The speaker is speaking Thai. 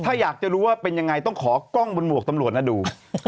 ถ้าอยากจะรู้ว่าเป็นยังไงต้องขอกล้องบนหมวกตำรวจนะดู